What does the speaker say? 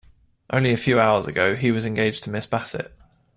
Only a few hours ago he was engaged to Miss Bassett.